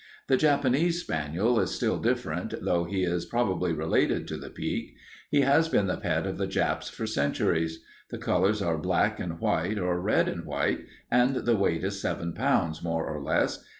"The Japanese spaniel is still different, though he is probably related to the Peke. He has been the pet of the Japs for centuries. The colors are black and white or red and white, and the weight is seven pounds, more or less.